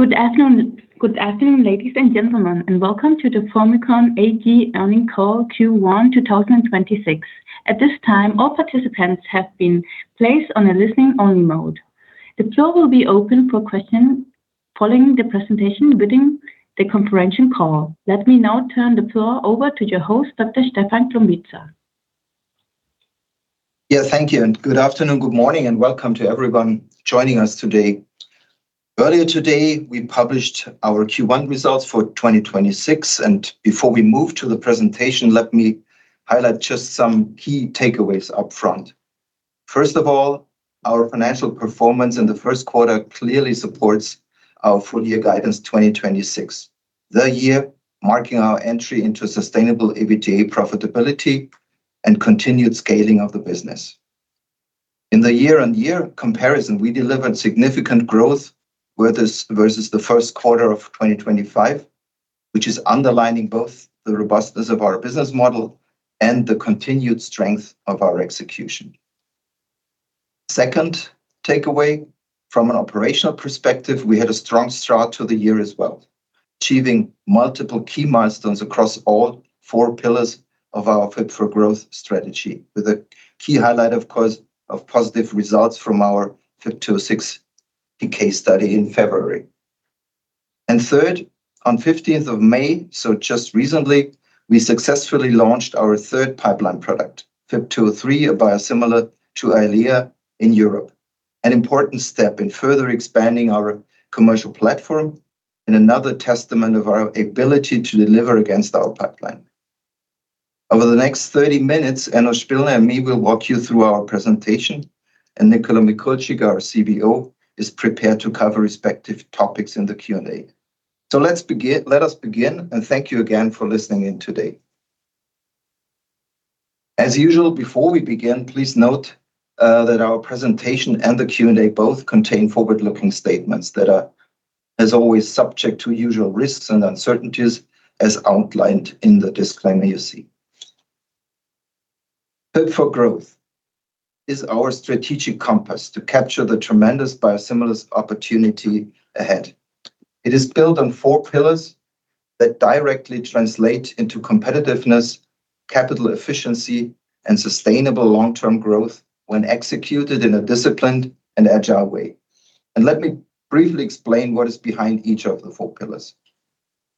Good afternoon, ladies and gentlemen, and welcome to the Formycon AG Earnings Call Q1 2026. At this time, all participants have been placed on a listening only mode. The floor will be open for questions following the presentation within the conference call. Let me now turn the floor over to your host, Dr. Stefan Glombitza. Thank you, good afternoon, good morning, and welcome to everyone joining us today. Earlier today, we published our Q1 results for 2026, and before we move to the presentation, let me highlight just some key takeaways up front. First of all, our financial performance in the first quarter clearly supports our full year guidance 2026, the year marking our entry into sustainable EBITDA profitability and continued scaling of the business. In the year-over-year comparison, we delivered significant growth versus the first quarter of 2025, which is underlining both the robustness of our business model and the continued strength of our execution. Second takeaway, from an operational perspective, we had a strong start to the year as well, achieving multiple key milestones across all four pillars of our Fit for Growth strategy with a key highlight, of course, of positive results from our FY 2026 case study in February. Third, on 15th of May, so just recently, we successfully launched our third pipeline product, FYB203, a biosimilar to EYLEA in Europe. An important step in further expanding our commercial platform and another testament of our ability to deliver against our pipeline. Over the next 30 minutes, Enno Spillner and me will walk you through our presentation. Nicola Mikulcik, our CBO, is prepared to cover respective topics in the Q&A. Let us begin, and thank you again for listening in today. As usual, before we begin, please note that our presentation and the Q&A both contain forward-looking statements that are, as always, subject to usual risks and uncertainties as outlined in the disclaimer you see. Fit for Growth is our strategic compass to capture the tremendous biosimilars opportunity ahead. It is built on four pillars that directly translate into competitiveness, capital efficiency, and sustainable long-term growth when executed in a disciplined and agile way. Let me briefly explain what is behind each of the four pillars.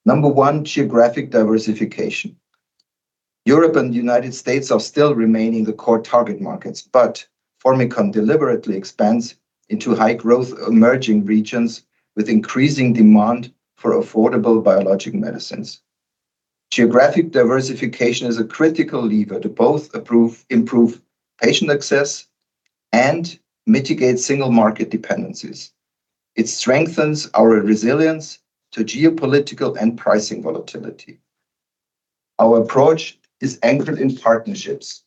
Number one, geographic diversification. Europe and the U.S. are still remaining the core target markets, but Formycon deliberately expands into high-growth emerging regions with increasing demand for affordable biologic medicines. Geographic diversification is a critical lever to both improve patient access and mitigate single market dependencies. It strengthens our resilience to geopolitical and pricing volatility. Our approach is anchored in partnerships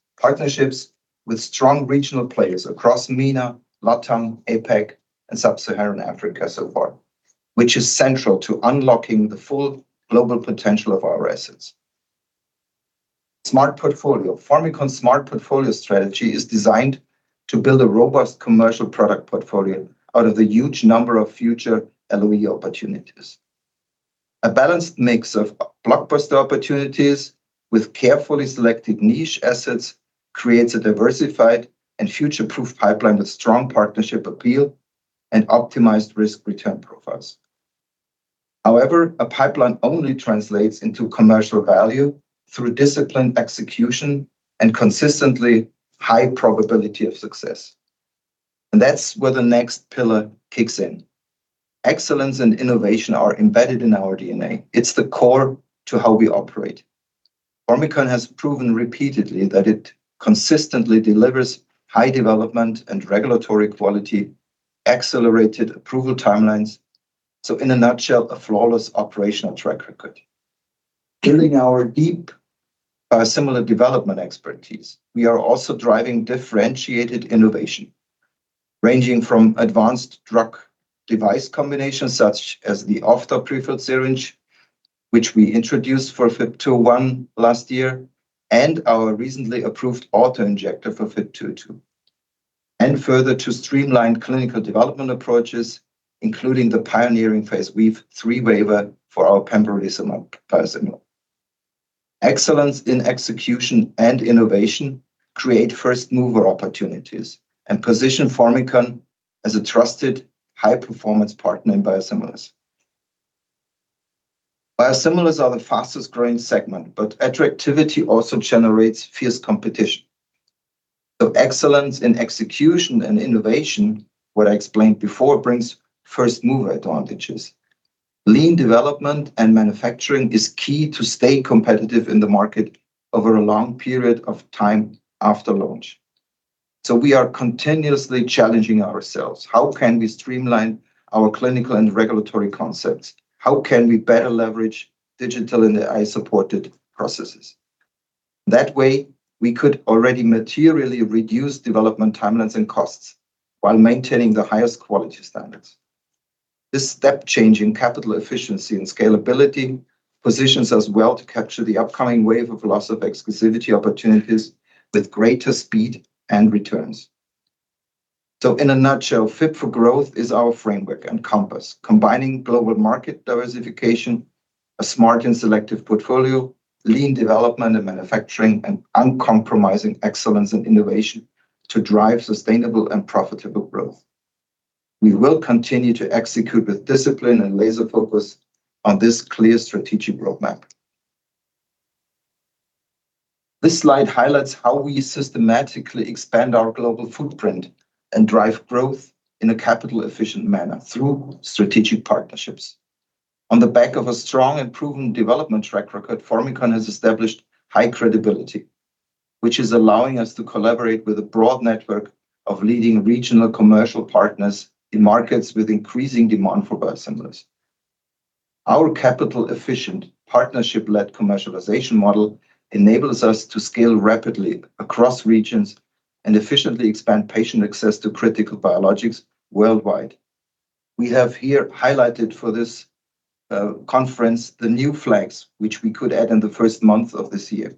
with strong regional players across MENA, LATAM, APAC, and sub-Saharan Africa so far, which is central to unlocking the full global potential of our assets. Smart portfolio. Formycon's smart portfolio strategy is designed to build a robust commercial product portfolio out of the huge number of future LOE opportunities. A balanced mix of blockbuster opportunities with carefully selected niche assets creates a diversified and future-proof pipeline with strong partnership appeal and optimized risk-return profiles. However, a pipeline only translates into commercial value through disciplined execution and consistently high probability of success. That's where the next pillar kicks in. Excellence and innovation are embedded in our DNA. It's the core to how we operate. Formycon has proven repeatedly that it consistently delivers high development and regulatory quality, accelerated approval timelines. In a nutshell, a flawless operational track record. Building our deep biosimilar development expertise, we are also driving differentiated innovation, ranging from advanced drug device combinations such as the ophthalmic prefilled syringe, which we introduced for FYB201 last year, and our recently approved auto-injector for FYB202. Further to streamlined clinical development approaches, including the pioneering phase III waiver for our pembrolizumab biosimilar. Excellence in execution and innovation create first-mover opportunities and position Formycon as a trusted high-performance partner in biosimilars. Biosimilars are the fastest-growing segment, but attractivity also generates fierce competition. Excellence in execution and innovation, what I explained before, brings first-mover advantages. Lean development and manufacturing is key to stay competitive in the market over a long period of time after launch. We are continuously challenging ourselves. How can we streamline our clinical and regulatory concepts? How can we better leverage digital and AI-supported processes? That way, we could already materially reduce development timelines and costs while maintaining the highest quality standards. This step change in capital efficiency and scalability positions us well to capture the upcoming wave of loss of exclusivity opportunities with greater speed and returns. In a nutshell, Fit for Growth is our framework and compass, combining global market diversification, a smart and selective portfolio, lean development and manufacturing, and uncompromising excellence and innovation to drive sustainable and profitable growth. We will continue to execute with discipline and laser focus on this clear strategic roadmap. This slide highlights how we systematically expand our global footprint and drive growth in a capital efficient manner through strategic partnerships. On the back of a strong and proven development track record, Formycon has established high credibility, which is allowing us to collaborate with a broad network of leading regional commercial partners in markets with increasing demand for biosimilars. Our capital efficient, partnership-led commercialization model enables us to scale rapidly across regions and efficiently expand patient access to critical biologics worldwide. We have here highlighted for this conference the new flags which we could add in the first month of this year,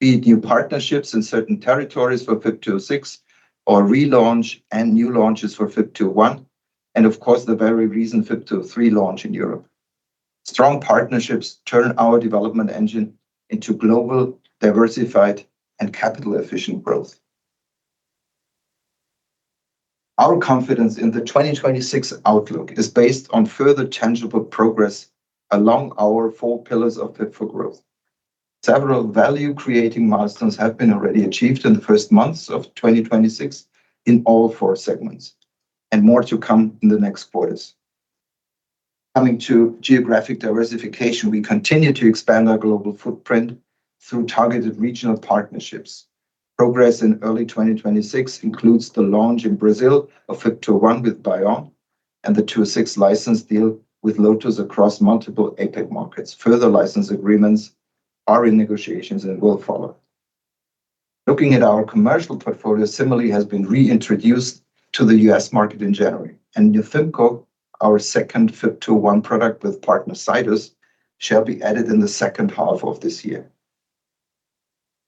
be it new partnerships in certain territories for FYB206 or relaunch and new launches for FYB201, and of course, the very recent FYB203 launch in Europe. Strong partnerships turn our development engine into global, diversified, and capital efficient growth. Our confidence in the 2026 outlook is based on further tangible progress along our four pillars of Fit for Growth. Several value-creating milestones have been already achieved in the first months of 2026 in all four segments, and more to come in the next quarters. Coming to geographic diversification, we continue to expand our global footprint through targeted regional partnerships. Progress in early 2026 includes the launch in Brazil of FYB201 with Biomm and the FYB206 license deal with Lotus across multiple APAC markets. Further license agreements are in negotiations and will follow. Looking at our commercial portfolio, Cimerli has been reintroduced to the U.S. market in January, Nefynco, our second FYB201 product with partner Zydus, shall be added in the second half of this year.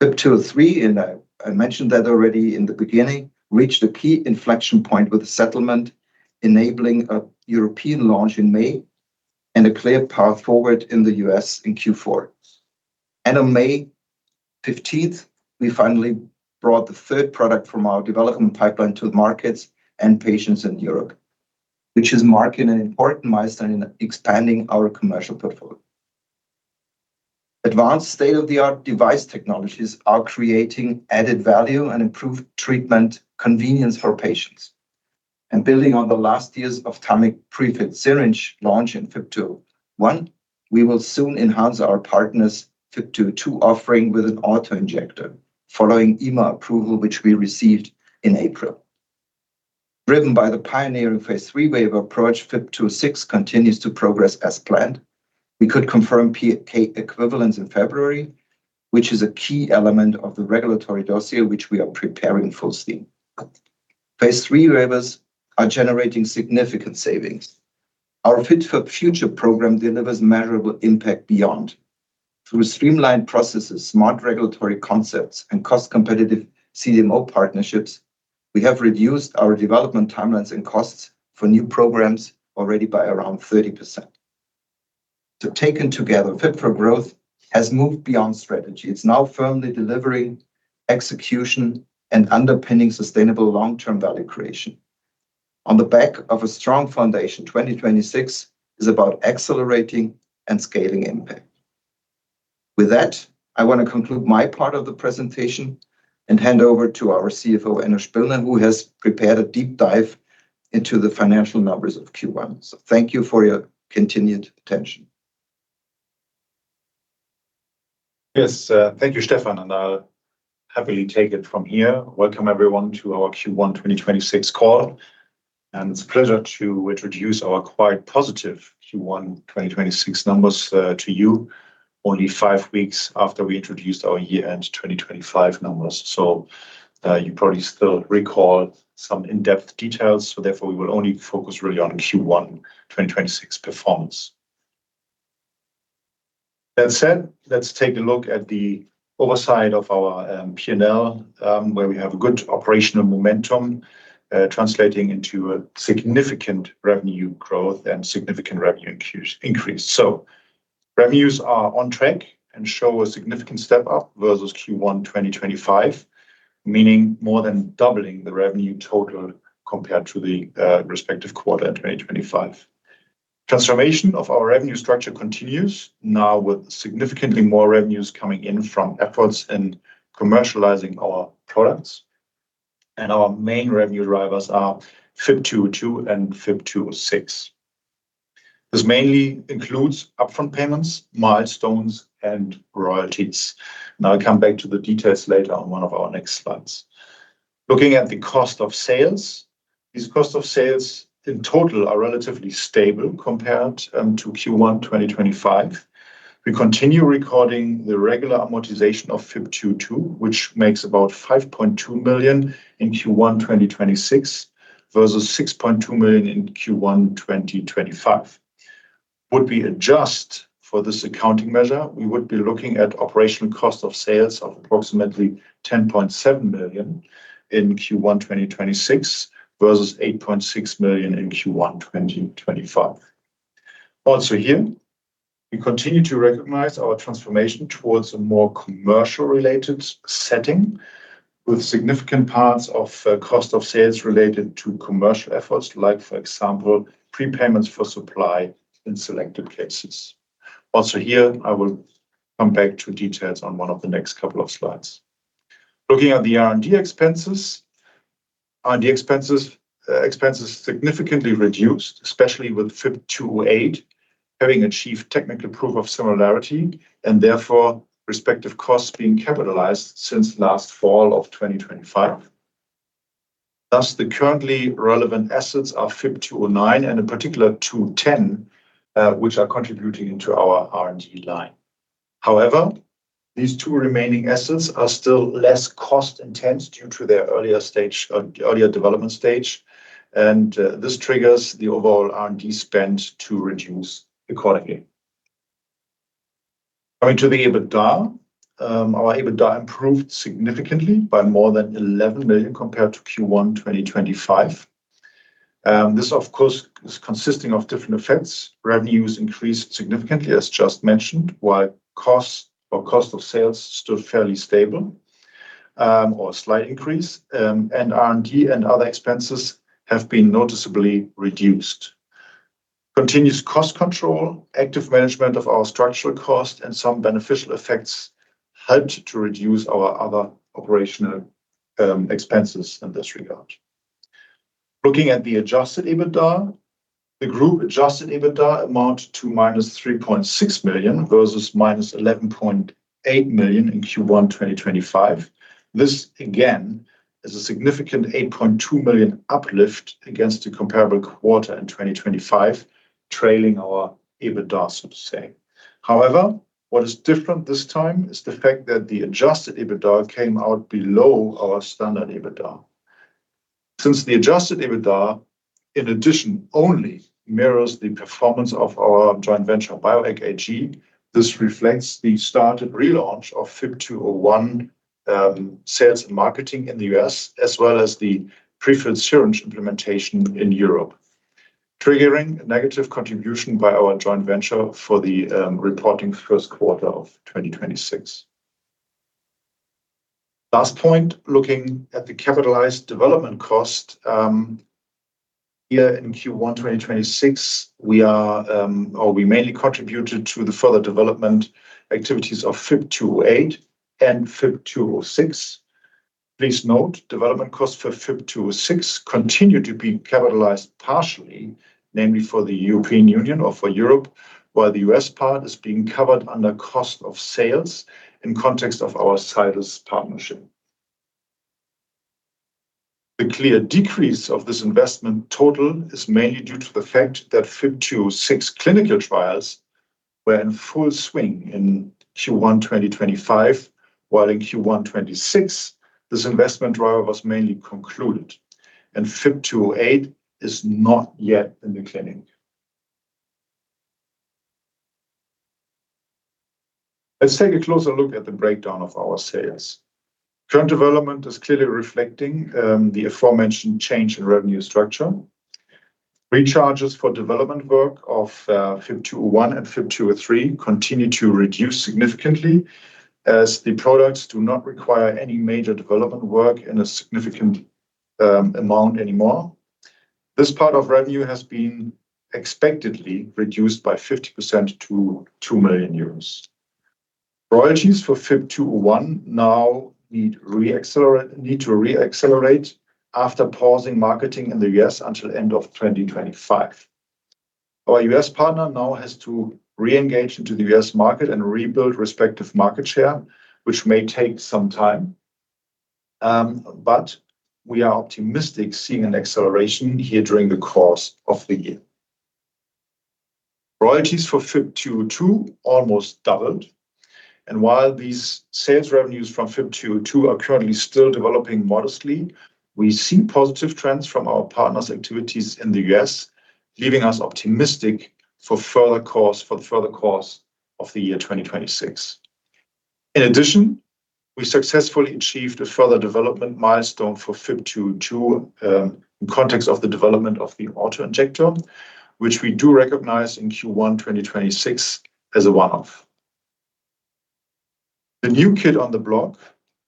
FYB203, I mentioned that already in the beginning, reached a key inflection point with the settlement enabling a European launch in May and a clear path forward in the U.S. in Q4. On May 15th, we finally brought the third product from our development pipeline to the markets and patients in Europe, which is marking an important milestone in expanding our commercial portfolio. Advanced state-of-the-art device technologies are creating added value and improved treatment convenience for patients. Building on the last years of ophthalmic pre-filled syringe launch in FYB201, we will soon enhance our partners FYB202 offering with an auto-injector following EMA approval, which we received in April. Driven by the pioneering phase III waiver approach, FYB206 continues to progress as planned. We could confirm PK equivalence in February, which is a key element of the regulatory dossier, which we are preparing full steam. Phase III waivers are generating significant savings. Our Fit for Future program delivers measurable impact beyond. Through streamlined processes, smart regulatory concepts, and cost-competitive CDMO partnerships, we have reduced our development timelines and costs for new programs already by around 30%. Taken together, Fit for Growth has moved beyond strategy. It's now firmly delivering execution and underpinning sustainable long-term value creation. On the back of a strong foundation, 2026 is about accelerating and scaling impact. With that, I want to conclude my part of the presentation and hand over to our CFO, Enno Spillner, who has prepared a deep dive into the financial numbers of Q1. Thank you for your continued attention. Yes. Thank you, Stefan. I'll happily take it from here. Welcome, everyone, to our Q1 2026 call. It's a pleasure to introduce our quite positive Q1 2026 numbers to you only five weeks after we introduced our year-end 2025 numbers. You probably still recall some in-depth details, therefore, we will only focus really on Q1 2026 performance. That said, let's take a look at the oversight of our P&L, where we have good operational momentum translating into a significant revenue growth and significant revenue increase. Revenues are on track, show a significant step up versus Q1 2025, meaning more than doubling the revenue total compared to the respective quarter 2025. Transformation of our revenue structure continues now with significantly more revenues coming in from efforts in commercializing our products. Our main revenue drivers are FYB202 and FYB206. This mainly includes upfront payments, milestones, and royalties. I will come back to the details later on one of our next slides. Looking at the cost of sales, these cost of sales in total are relatively stable compared to Q1 2025. We continue recording the regular amortization of FYB202, which makes about 5.2 million in Q1 2026 versus 6.2 million in Q1 2025. Would we adjust for this accounting measure, we would be looking at operational cost of sales of approximately 10.7 million in Q1 2026 versus 8.6 million in Q1 2025. Here, we continue to recognize our transformation towards a more commercial-related setting with significant parts of cost of sales related to commercial efforts like, for example, prepayments for supply in selected cases. Here, I will come back to details on one of the next couple of slides. Looking at the R&D expenses. R&D expenses significantly reduced, especially with FYB208, having achieved technical proof of similarity, and therefore respective costs being capitalized since last fall of 2025. Thus, the currently relevant assets are FYB209 and in particular FYB210, which are contributing into our R&D line. However, these two remaining assets are still less cost intense due to their earlier development stage, and this triggers the overall R&D spend to reduce accordingly. Coming to the EBITDA. Our EBITDA improved significantly by more than 11 million compared to Q1 2025. This, of course, is consisting of different effects. Revenues increased significantly, as just mentioned, while cost of sales stood fairly stable, or a slight increase, and R&D and other expenses have been noticeably reduced. Continuous cost control, active management of our structural cost, and some beneficial effects helped to reduce our other operational expenses in this regard. Looking at the adjusted EBITDA. The group adjusted EBITDA amounted to minus 3.6 million versus minus 11.8 million in Q1 2025. This, again, is a significant 8.2 million uplift against the comparable quarter in 2025, trailing our EBITDA sub-saying. What is different this time is the fact that the adjusted EBITDA came out below our standard EBITDA. Since the adjusted EBITDA, in addition, only mirrors the performance of our joint venture, Bioeq AG, this reflects the started relaunch of FYB201 sales and marketing in the U.S., as well as the prefilled syringe implementation in Europe, triggering a negative contribution by our joint venture for the reporting first quarter of 2026. Last point, looking at the capitalized development cost. Here in Q1 2026, we mainly contributed to the further development activities of FYB208 and FYB206. Please note, development costs for FYB206 continue to be capitalized partially, namely for the European Union or for Europe, while the U.S. part is being covered under cost of sales in context of our Zydus partnership. The clear decrease of this investment total is mainly due to the fact that FYB206 clinical trials were in full swing in Q1 2025, while in Q1 2026, this investment driver was mainly concluded, and FYB208 is not yet in the clinic. Let's take a closer look at the breakdown of our sales. Current development is clearly reflecting the aforementioned change in revenue structure. Recharges for development work of FYB201 and FYB203 continue to reduce significantly, as the products do not require any major development work in a significant amount anymore. This part of revenue has been expectedly reduced by 50% to 2 million euros. Royalties for FYB201 now need to re-accelerate after pausing marketing in the U.S. until end of 2025. Our U.S. partner now has to re-engage into the U.S. market and rebuild respective market share, which may take some time. We are optimistic seeing an acceleration here during the course of the year. Royalties for FYB202 almost doubled. While these sales revenues from FYB202 are currently still developing modestly, we see positive trends from our partners' activities in the U.S., leaving us optimistic for the further course of the year 2026. In addition, we successfully achieved a further development milestone for FYB202 in context of the development of the auto-injector, which we do recognize in Q1 2026 as a one-off. The new kid on the block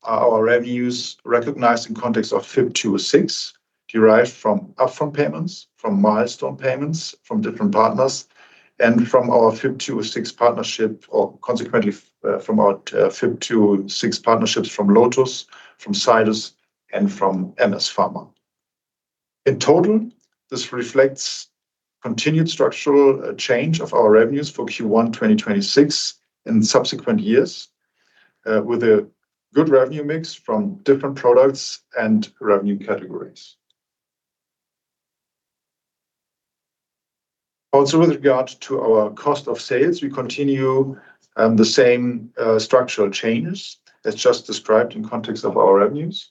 are our revenues recognized in context of FYB206, derived from upfront payments, from milestone payments from different partners, and from our FYB206 partnership, or consequently, from our FYB206 partnerships from Lotus, from Zydus, and from MS Pharma. In total, this reflects continued structural change of our revenues for Q1 2026 and subsequent years, with a good revenue mix from different products and revenue categories. Also with regard to our cost of sales, we continue the same structural changes as just described in context of our revenues.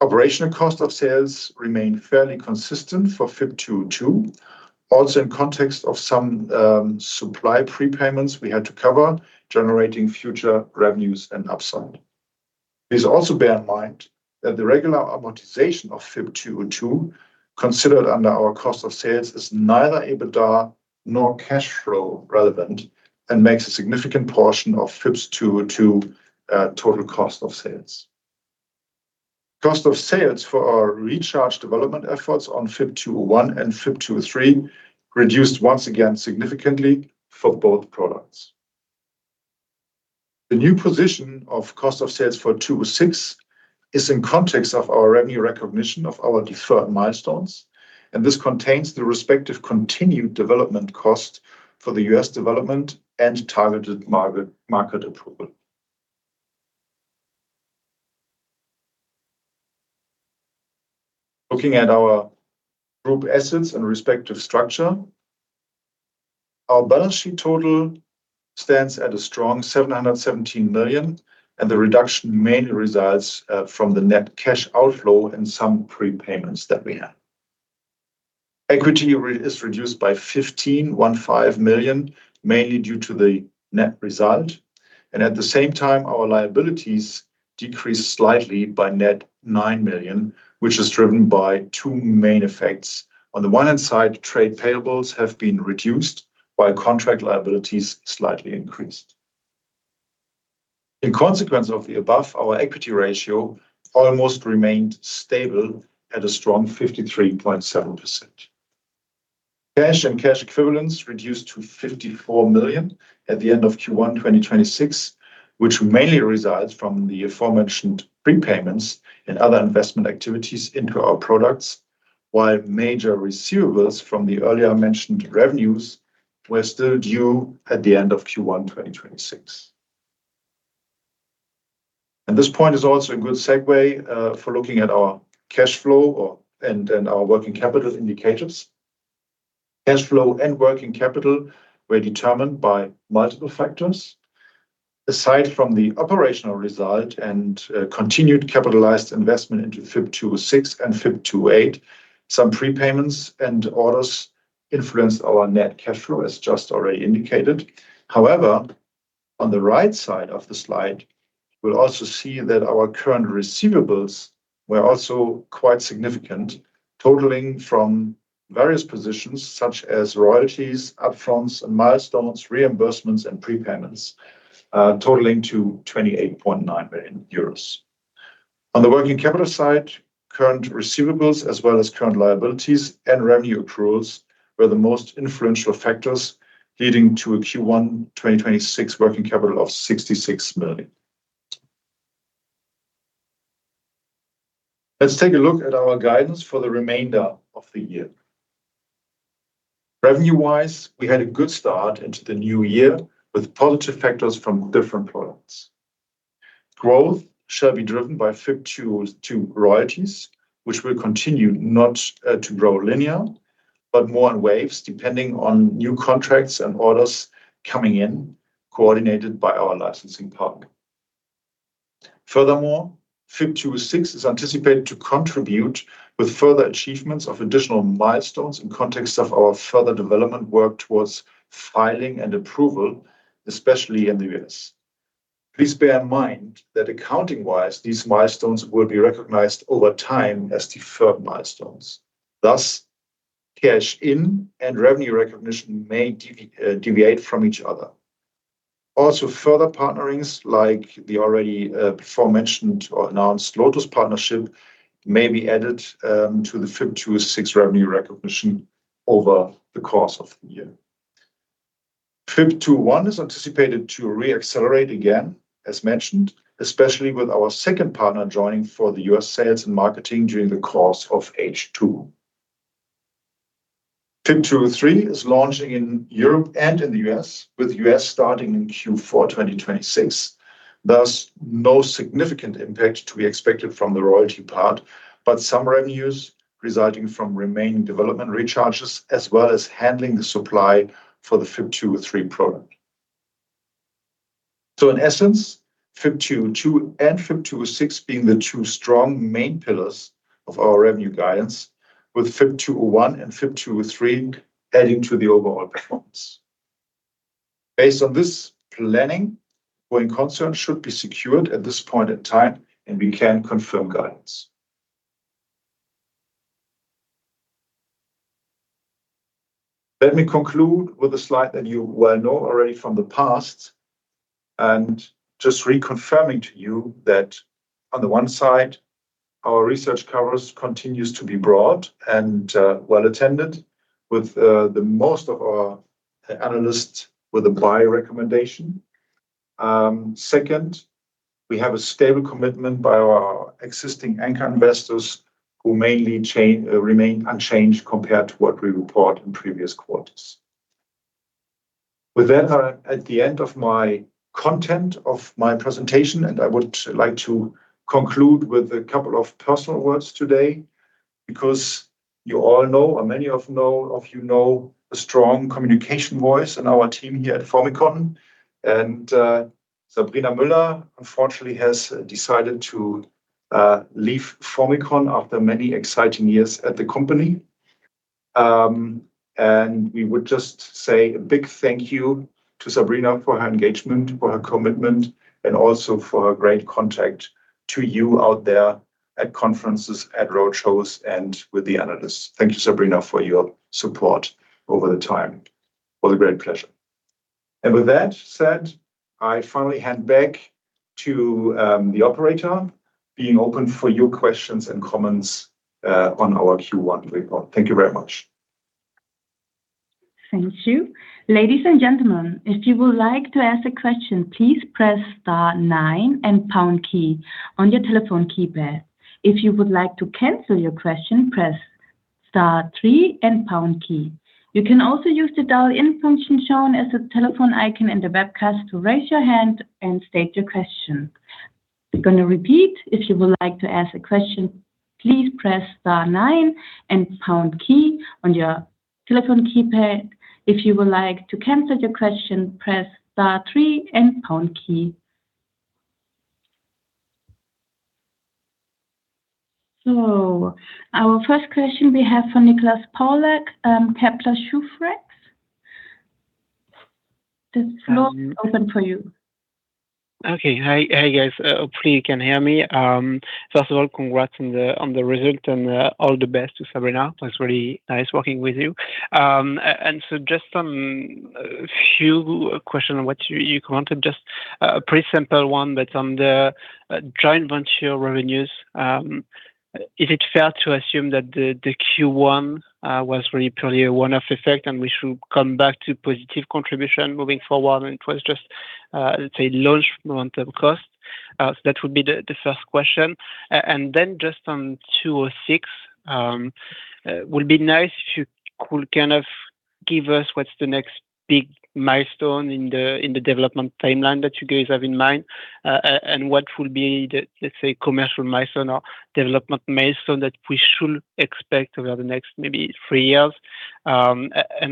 Operational cost of sales remained fairly consistent for FYB202. Also in context of some supply prepayments we had to cover, generating future revenues and upside. Please also bear in mind that the regular amortization of FYB202, considered under our cost of sales, is neither EBITDA nor cash flow relevant and makes a significant portion of FYB202 total cost of sales. Cost of sales for our recharge development efforts on FYB201 and FYB203 reduced once again significantly for both products. The new position of cost of sales for FYB206 is in context of our revenue recognition of our deferred milestones. This contains the respective continued development cost for the U.S. development and targeted market approval. Looking at our group assets and respective structure, our balance sheet total stands at a strong 717 million. The reduction mainly results from the net cash outflow and some prepayments that we had. Equity is reduced by 15.15 million, mainly due to the net result, and at the same time, our liabilities decreased slightly by net 9 million, which is driven by two main effects. On the one hand side, trade payables have been reduced while contract liabilities slightly increased. In consequence of the above, our equity ratio almost remained stable at a strong 53.7%. Cash and cash equivalents reduced to 54 million at the end of Q1 2026, which mainly results from the aforementioned prepayments and other investment activities into our products, while major receivables from the earlier mentioned revenues were still due at the end of Q1 2026. This point is also a good segue for looking at our cash flow and our working capital indicators. Cash flow and working capital were determined by multiple factors. Aside from the operational result and continued capitalized investment into FYB206 and FYB208, some prepayments and orders influenced our net cash flow as just already indicated. On the right side of the slide, we'll also see that our current receivables were also quite significant, totaling from various positions such as royalties, up-fronts, and milestones, reimbursements, and prepayments, totaling to 28.9 million euros. On the working capital side, current receivables as well as current liabilities and revenue accruals were the most influential factors, leading to a Q1 2026 working capital of 66 million. Let's take a look at our guidance for the remainder of the year. Revenue-wise, we had a good start into the new year with positive factors from different products. Growth shall be driven by FYB202 royalties, which will continue not to grow linear, but more on waves depending on new contracts and orders coming in, coordinated by our licensing partner. FYB206 is anticipated to contribute with further achievements of additional milestones in context of our further development work towards filing and approval, especially in the U.S. Please bear in mind that accounting-wise, these milestones will be recognized over time as deferred milestones. Cash in and revenue recognition may deviate from each other. Further partnerings like the already before mentioned or announced Lotus partnership may be added to the FYB206 revenue recognition over the course of the year. FYB201 is anticipated to re-accelerate again, as mentioned, especially with our second partner joining for the U.S. sales and marketing during the course of H2. FYB203 is launching in Europe and in the U.S., with U.S. starting in Q4 2026. No significant impact to be expected from the royalty part, but some revenues resulting from remaining development recharges, as well as handling the supply for the FYB203 product. In essence, FYB202 and FYB206 being the two strong main pillars of our revenue guidance with FYB201 and FYB203 adding to the overall performance. Based on this planning, going concern should be secured at this point in time, and we can confirm guidance. Let me conclude with a slide that you well know already from the past and just reconfirming to you that on the one side, our research coverage continues to be broad and well attended with the most of our analysts with a buy recommendation. Second, we have a stable commitment by our existing anchor investors who mainly remain unchanged compared to what we report in previous quarters. With that, I'm at the end of my content of my presentation, and I would like to conclude with a couple of personal words today. You all know, or many of you know the strong communication voice in our team here at Formycon. Sabrina Müller, unfortunately, has decided to leave Formycon after many exciting years at the company. We would just say a big thank you to Sabrina for her engagement, for her commitment, and also for her great contact to you out there at conferences, at road shows, and with the analysts. Thank you, Sabrina, for your support over the time. It was a great pleasure. With that said, I finally hand back to the operator, being open for your questions and comments on our Q1 report. Thank you very much. Ladies and gentlemen, if you would like to ask a question please press star nine and pound key on your telephone keypad. If you would like to cancel your question, press star three and pound key. You can also use the dial-in function on as a telephone item in the webinar to raise your hand and state your question. I am going to repeat, if youwould like to ask a question, please press star nine and pound key on your telephone keypad. If you would like to cancel the question, please press star three and pound key. Our first question we have for Nicolas Pauillac, Kepler Cheuvreux. The floor open for you. Okay. Hi, guys. Hopefully you can hear me. First of all, congrats on the result, and all the best to Sabrina. It was really nice working with you. Just some few question on what you commented, just a pretty simple one, but on the joint venture revenues, is it fair to assume that the Q1 was really purely a one-off effect, and we should come back to positive contribution moving forward, and it was just, let's say launch momentum cost? That would be the first question. Just on FYB206, would be nice if you could give us what's the next big milestone in the development timeline that you guys have in mind, and what will be the, let's say, commercial milestone or development milestone that we should expect over the next maybe three years.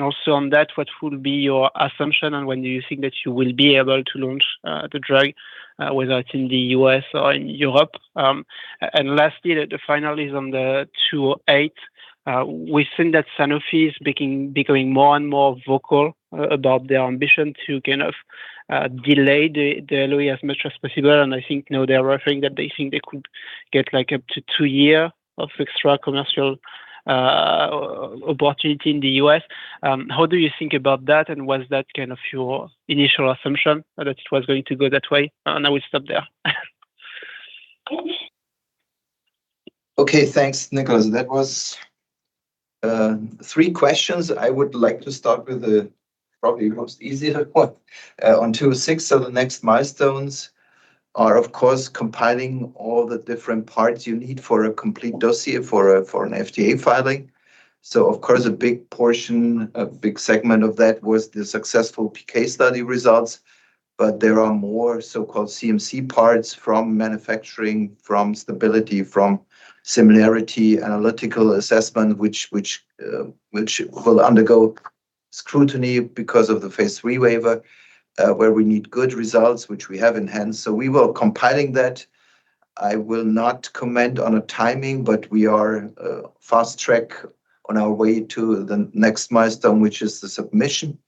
Also on that, what will be your assumption, and when do you think that you will be able to launch the drug, whether it's in the U.S. or in Europe? Lastly, the final is on the FYB208. We think that Sanofi is becoming more and more vocal about their ambition to delay the delivery as much as possible, and I think now they are referring that they think they could get up to two year of extra commercial opportunity in the U.S. How do you think about that, was that your initial assumption that it was going to go that way? I will stop there. Okay, thanks, Nicolas. That was three questions. I would like to start with the probably most easier one. On FYB206, the next milestones are, of course, compiling all the different parts you need for a complete dossier for an FDA filing. Of course, a big portion, a big segment of that was the successful PK study results, but there are more so-called CMC parts from manufacturing, from stability, from similarity, analytical assessment, which will undergo scrutiny because of the phase III waiver, where we need good results, which we have in hand. We will compiling that. I will not comment on a timing, but we are fast-track on our way to the next milestone, which is the submission.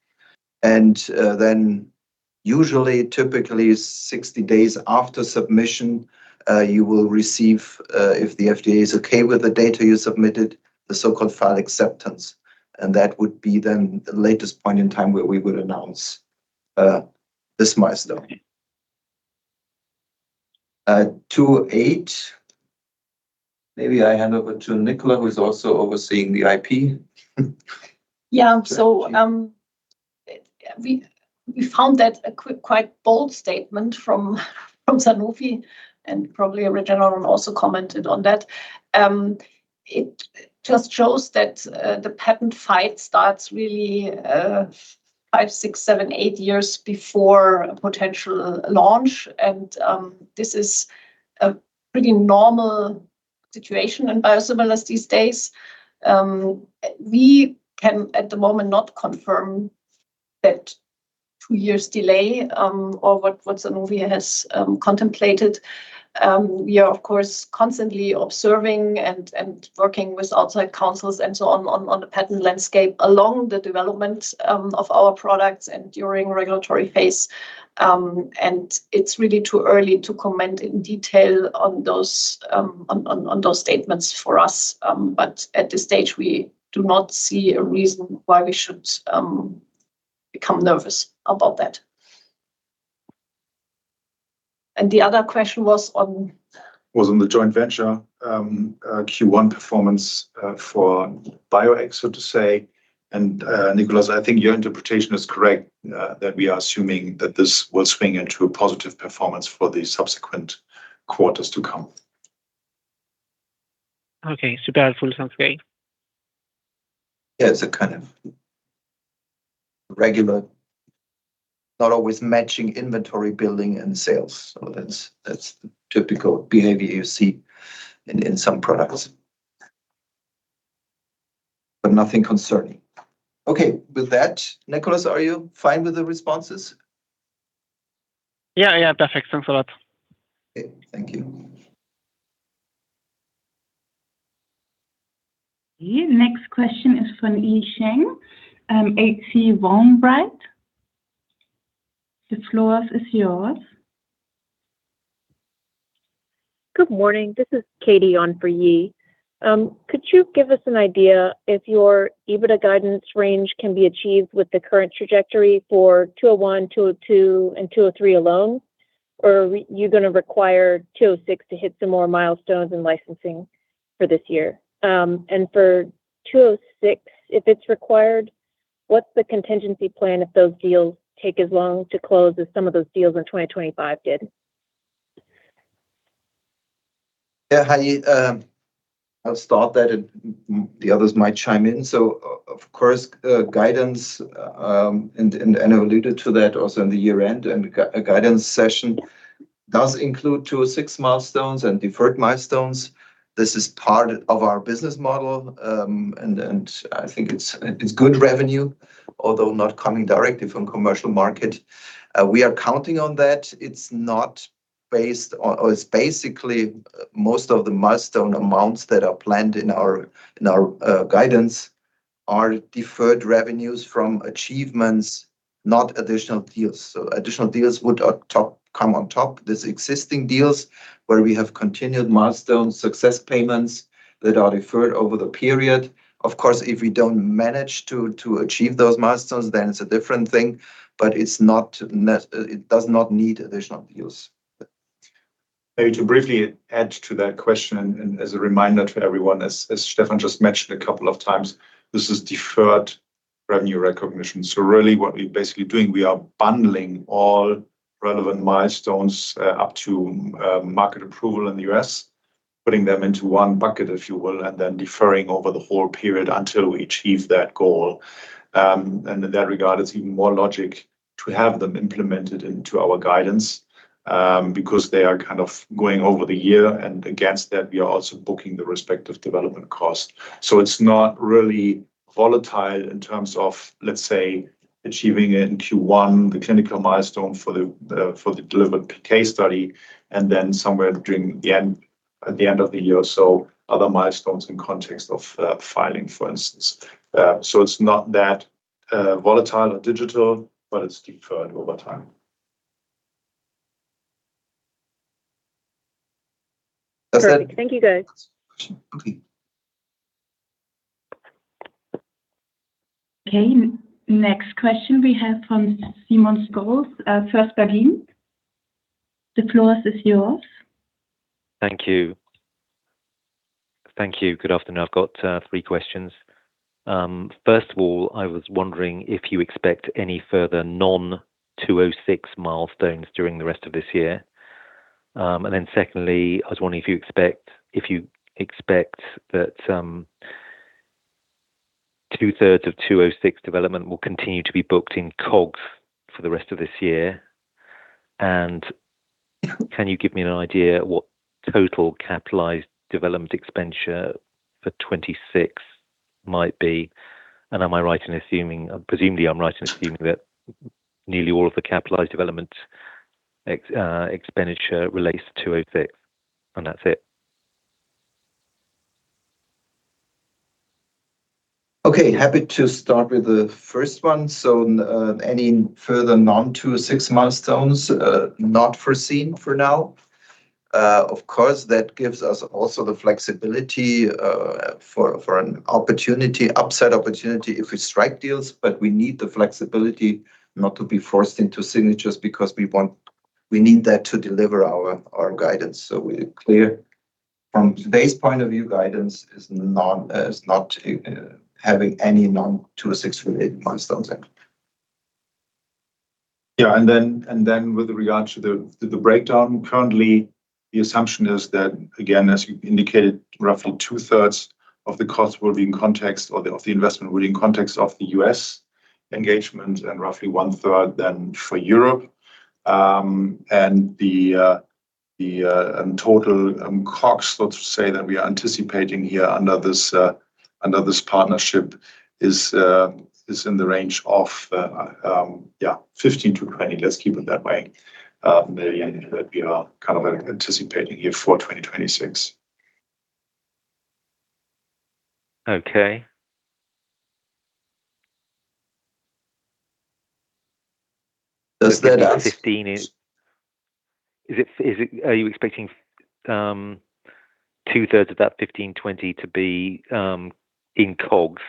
Then usually, typically 60 days after submission, you will receive, if the FDA is okay with the data you submitted, the so-called file acceptance. That would be then the latest point in time where we would announce this milestone. FYB208, maybe I hand over to Nicola, who's also overseeing the IP. We found that a quite bold statement from Sanofi, and probably Regeneron also commented on that. It just shows that the patent fight starts really, five, six, seven, eight years before a potential launch. This is a pretty normal situation in biosimilars these days. We can, at the moment, not confirm that two years delay, or what Sanofi has contemplated. We are of course, constantly observing and working with outside counsels and so on the patent landscape along the development of our products and during regulatory phase. It's really too early to comment in detail on those statements for us. At this stage, we do not see a reason why we should become nervous about that. The other question was on? Was on the joint venture, Q1 performance for Bioeq, so to say. Nicolas, I think your interpretation is correct, that we are assuming that this will swing into a positive performance for the subsequent quarters to come. Okay. Super helpful. Sounds great. It's a kind of regular, not always matching inventory building and sales. That's the typical behavior you see in some products, but nothing concerning. Okay. With that, Nicolas, are you fine with the responses? Yeah. Perfect. Thanks a lot. Okay. Thank you. The next question is from Yi Shang, H.C. Wainwright. The floor is yours. Good morning. This is Katie on for Yi. Could you give us an idea if your EBITDA guidance range can be achieved with the current trajectory for FYB201, FYB202 and FYB203 alone? Or are you going to require FYB206 to hit some more milestones in licensing for this year? For FYB206, if it's required, what's the contingency plan if those deals take as long to close as some of those deals in 2025 did? Hi, I'll start that and the others might chime in. Of course, guidance, and I alluded to that also in the year-end, and guidance session does include FYB206 milestones and deferred milestones. This is part of our business model, and I think it's good revenue, although not coming directly from commercial market. We are counting on that. It's basically, most of the milestone amounts that are planned in our guidance are deferred revenues from achievements, not additional deals. Additional deals would come on top. There's existing deals where we have continued milestone success payments that are deferred over the period. Of course, if we don't manage to achieve those milestones, then it's a different thing, but it does not need additional deals. Maybe to briefly add to that question as a reminder to everyone, as Stefan just mentioned a couple of times, this is deferred revenue recognition. Really what we're basically doing, we are bundling all relevant milestones up to market approval in the U.S., putting them into one bucket, if you will, deferring over the whole period until we achieve that goal. In that regard, it's even more logic to have them implemented into our guidance, because they are going over the year and against that, we are also booking the respective development cost. It's not really volatile in terms of, let's say, achieving in Q1 the clinical milestone for the delivered case study somewhere during at the end of the year or so, other milestones in context of filing, for instance. It's not that volatile or digital, but it's deferred over time. Does that- Perfect. Thank you, guys. Question. Okay. Okay, next question we have from Simon Scholes. First Berlin, the floor is yours. Thank you. Good afternoon. I've got three questions. First of all, I was wondering if you expect any further non-FYB206 milestones during the rest of this year. Then secondly, I was wondering if you expect that two-thirds of FYB206 development will continue to be booked in COGS for the rest of this year. Can you give me an idea what total capitalized development expenditure for 2026 might be? Presumably I'm right in assuming that nearly all of the capitalized development expenditure relates to FYB206. That's it. Happy to start with the first one. Any further non-FYB206 milestones, not foreseen for now. Of course, that gives us also the flexibility for an upside opportunity if we strike deals, but we need the flexibility not to be forced into signatures because we need that to deliver our guidance. We're clear. From today's point of view, guidance is not having any non-FYB206 related milestones in. Yeah, then with regard to the breakdown, currently the assumption is that, again, as you indicated, roughly two-thirds of the costs will be in context or of the investment will be in context of the U.S. engagement and roughly one-third then for Europe. The total COGS, let's say that we are anticipating here under this partnership is in the range of 15 million-20 million, let's keep it that way, that we are anticipating here for 2026. Okay. Does that answer? Are you expecting two-thirds of that 1,520 to be in COGS?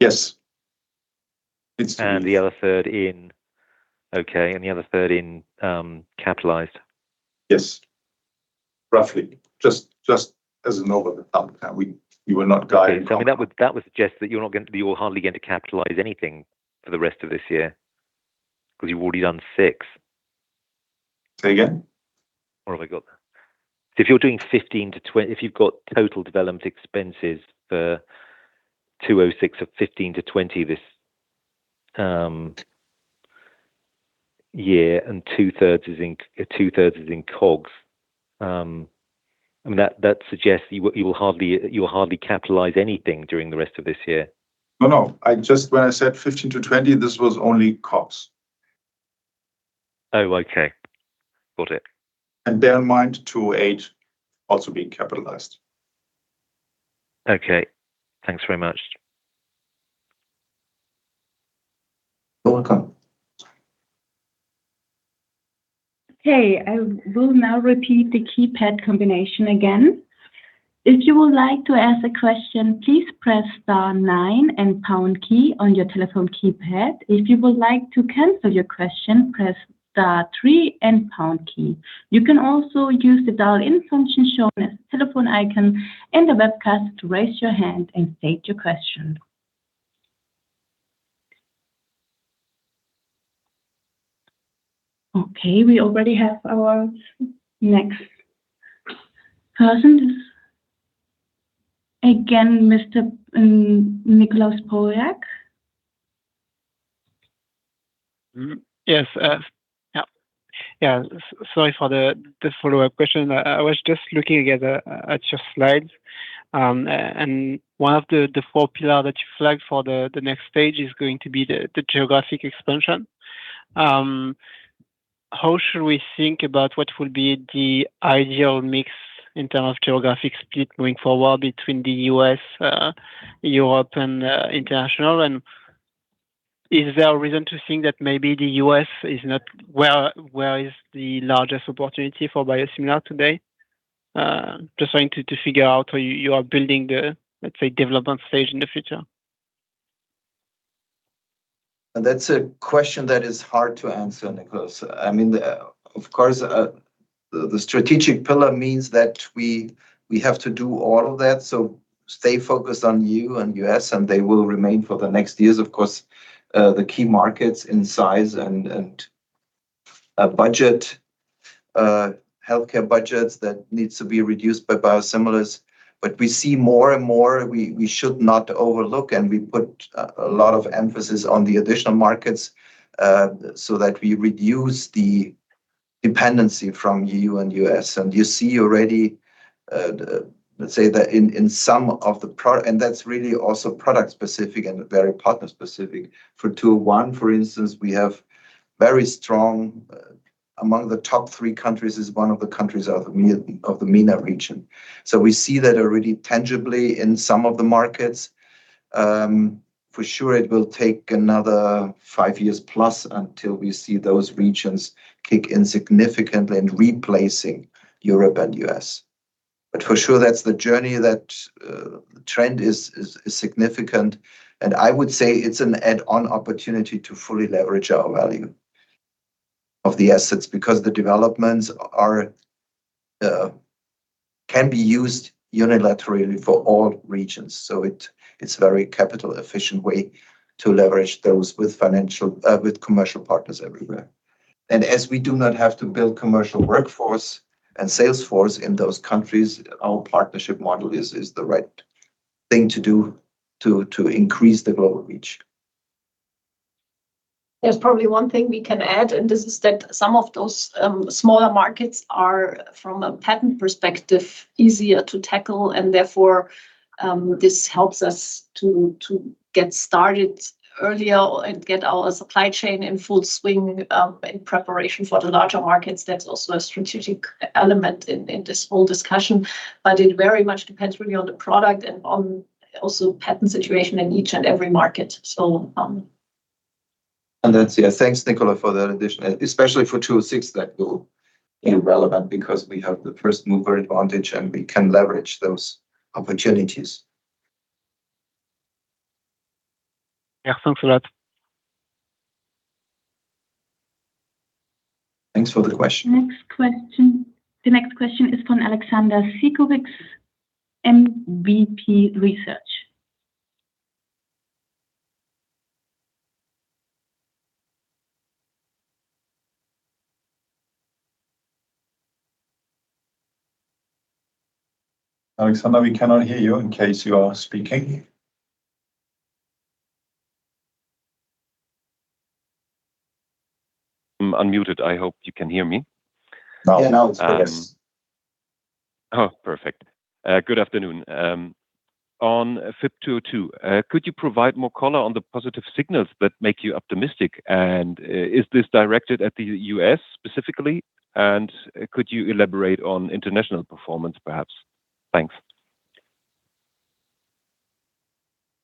Yes. The other third in capitalized. Yes. Roughly. Just as a rule of the thumb. We will not guide on- That would suggest that you're hardly going to capitalize anything for the rest of this year because you've already done six. Say again? What have I got there? If you've got total development expenses for FYB206 of 15 million-20 million this year, and two-thirds is in COGS, that suggests you will hardly capitalize anything during the rest of this year. No. When I said 15 million-20 million, this was only COGS. Oh, okay. Got it. Bear in mind, FYB208 also being capitalized. Okay. Thanks very much. You're welcome. I will repeat the keypad combination again. If you would like to ask a question, please press star nine and pound key on your telephone keypad. If you would like to cancel your question, please press star three and pound key. You can also use the dial function to show a telephone item in the webcast to raise your hand and take your question. Okay, we already have our next person. Again, Mr. Nicolas Pauillac. Yes. Sorry for the follow-up question. I was just looking at your slides, one of the four pillars that you flagged for the next stage is going to be the geographic expansion. How should we think about what will be the ideal mix in terms of geographic split going forward between the U.S., Europe, and international? Is there a reason to think that maybe the U.S. is not where is the largest opportunity for biosimilar today? Just trying to figure out how you are building the, let's say, development stage in the future. That's a question that is hard to answer, Nicolas. Of course, the strategic pillar means that we have to do all of that. Stay focused on EU and U.S., and they will remain for the next years, of course, the key markets in size and budget, healthcare budgets that need to be reduced by biosimilars. We see more and more, we should not overlook, and we put a lot of emphasis on the additional markets, that we reduce the dependency from EU and U.S. You see already, let's say that in some of the products, and that's really also product specific and very partner specific. For FYB201, for instance, we have very strong, among the top three countries is one of the countries of the MENA region. We see that already tangibly in some of the markets. It will take another five years plus until we see those regions kick in significantly and replacing Europe and U.S. For sure, that's the journey. That trend is significant, and I would say it's an add-on opportunity to fully leverage our value of the assets because the developments can be used unilaterally for all regions. It is very capital efficient way to leverage those with commercial partners everywhere. As we do not have to build commercial workforce and sales force in those countries, our partnership model is the right thing to do to increase the global reach. There's probably one thing we can add, and this is that some of those smaller markets are, from a patent perspective, easier to tackle and therefore, this helps us to get started earlier and get our supply chain in full swing, in preparation for the larger markets. That's also a strategic element in this whole discussion, but it very much depends really on the product and on also patent situation in each and every market. That's, thanks, Nicola, for that addition, especially for FYB206, that will be relevant because we have the first-mover advantage, and we can leverage those opportunities. Yeah. Thanks a lot. Thanks for the question. The next question is from Alexander Zienkowicz, mwb research. Alexander, we cannot hear you in case you are speaking. I'm unmuted. I hope you can hear me. Now it is better. Oh, perfect. Good afternoon. On FYB202, could you provide more color on the positive signals that make you optimistic? Is this directed at the U.S. specifically, and could you elaborate on international performance, perhaps? Thanks.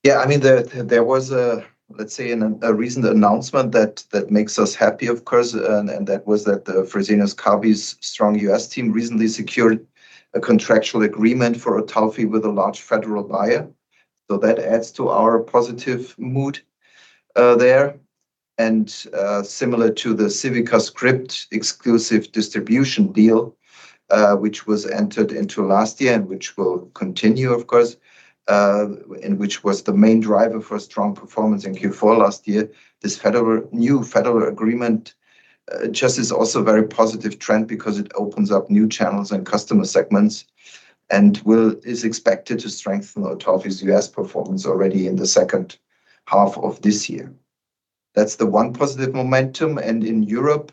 Yeah. There was, let's say, a recent announcement that makes us happy, of course, that was that Fresenius Kabi's strong U.S. team recently secured a contractual agreement for Otulfi with a large federal buyer. That adds to our positive mood there. Similar to the Civica, Inc. exclusive distribution deal, which was entered into last year and which will continue, of course, and which was the main driver for strong performance in Q4 last year. This new federal agreement just is also a very positive trend because it opens up new channels and customer segments and is expected to strengthen Otulfi's U.S. performance already in the second half of this year. That's the one positive momentum. In Europe,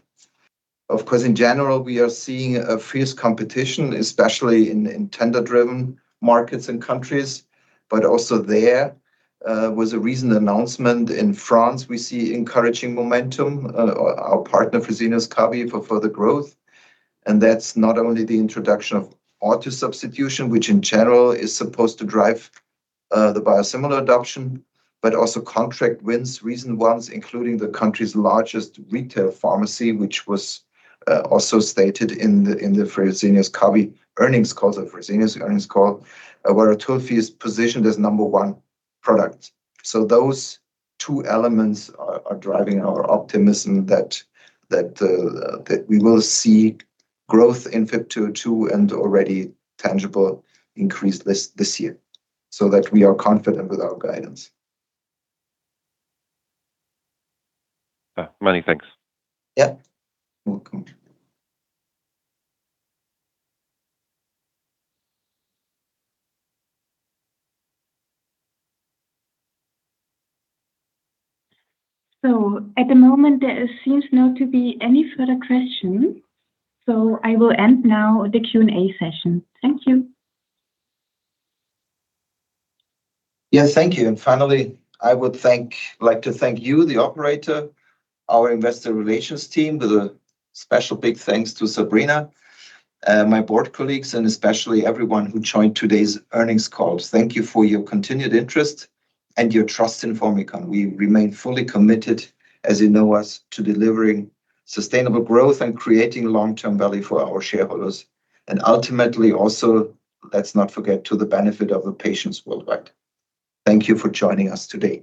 of course, in general, we are seeing a fierce competition, especially in tender-driven markets and countries. Also there was a recent announcement in France. We see encouraging momentum, our partner, Fresenius Kabi, for further growth. That's not only the introduction of auto substitution, which in general is supposed to drive the biosimilar adoption, but also contract wins, recent ones, including the country's largest retail pharmacy, which was also stated in the Fresenius Kabi earnings call, where Otulfi is positioned as number one product. Those two elements are driving our optimism that we will see growth in FYB202 and already tangible increase this year, so that we are confident with our guidance. Many thanks. Yeah. Welcome. At the moment, there seems not to be any further questions. I will end now the Q&A session. Thank you. Yes, thank you. Finally, I would like to thank you, the operator, our investor relations team, with a special big thanks to Sabrina, my board colleagues, and especially everyone who joined today's earnings call. Thank you for your continued interest and your trust in Formycon. We remain fully committed, as you know us, to delivering sustainable growth and creating long-term value for our shareholders, and ultimately also, let's not forget, to the benefit of the patients worldwide. Thank you for joining us today.